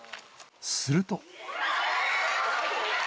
すると。